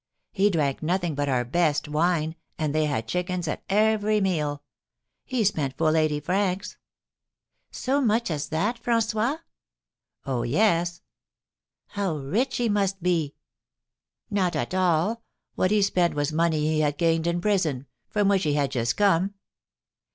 He drank nothing but our best wine, and they had chickens at every meal. He spent full eighty francs." "So much as that, François?" "Oh, yes!" "How rich he must be!" "Not at all. What he spent was money he had gained in prison, from which he had just come."